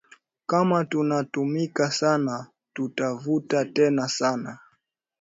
Kama tuna tumika sana tuta vuna tena sana